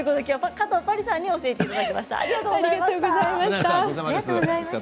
加藤巴里さんに教えていただきました。